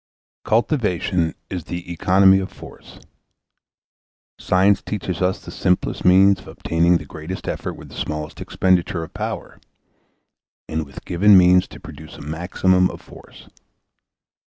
Cultivation is the economy of force. Science teaches us the simplest means of obtaining the greatest effect with the smallest expenditure of power, and with given means to produce a maximum of force.